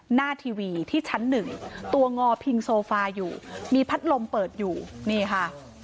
หน้าทีวีที่ชั้นหนึ่งตัวงอพิงโซฟาอยู่มีพัดลมเปิดอยู่นี่ค่ะ